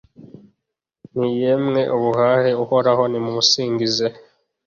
nti Yemwe abubaha Uhoraho nimumusingize